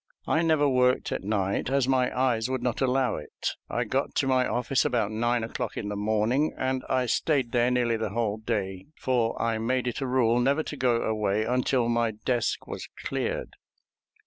I never worked at night, as my eyes would not allow it. I got to my office about nine o'clock in the morning, and I stayed there nearly the whole day, for I made it a rule never to go away until my desk was cleared.